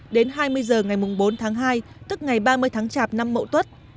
đến hai mươi h ngày bốn tháng hai tức ngày ba mươi tháng chạp năm mậu tuất